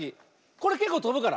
これけっこうとぶから。